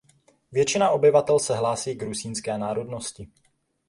Většina obyvatel se hlásí k rusínské národnosti.